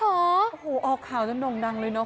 โอ้โหออกข่าวจนโด่งดังเลยเนอ